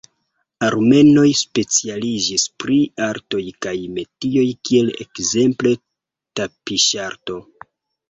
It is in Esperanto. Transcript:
Armenoj specialiĝis pri artoj kaj metioj kiel ekzemple tapiŝarto.